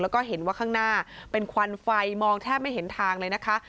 แล้วก็เห็นว่าข้างหน้าเป็นควันไฟมองแทบไม่เห็นทางเลยนะคะ